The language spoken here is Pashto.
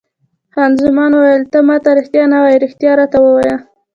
خان زمان وویل: ته ما ته رښتیا نه وایې، رښتیا راته ووایه.